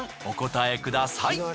お答えください。